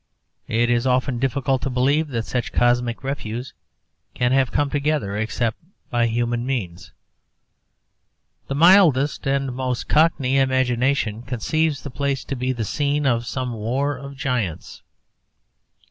It is often difficult to believe that such cosmic refuse can have come together except by human means. The mildest and most cockney imagination conceives the place to be the scene of some war of giants.